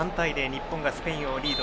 日本がスペインをリード。